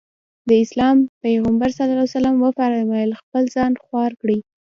د اسلام پيغمبر ص وفرمايل خپل ځان خوار کړي.